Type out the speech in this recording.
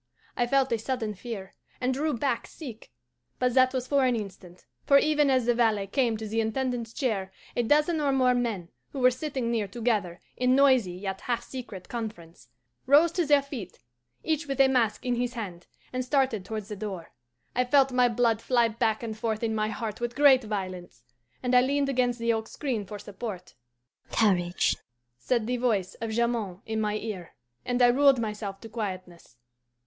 I felt a sudden fear, and drew back sick; but that was for an instant, for even as the valet came to the Intendant's chair a dozen or more men, who were sitting near together in noisy yet half secret conference, rose to their feet, each with a mask in his hand, and started towards the door. I felt my blood fly back and forth in my heart with great violence, and I leaned against the oak screen for support. 'Courage,' said the voice of Jamond in my ear, and I ruled myself to quietness.